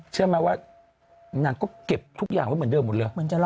เชื่อไหมว่านางก็เก็บทุกอย่างไว้เหมือนเดิมหมดเลย